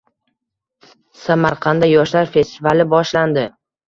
Samarqandda yoshlar festivali boshlandi